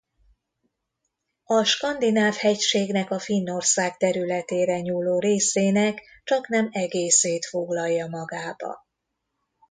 A Skandináv-hegységnek a Finnország területére nyúló részének csaknem egészét foglalja magába.